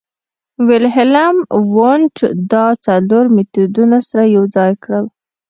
ویلهیلم وونت دا څلور مېتودونه سره یوځای کړل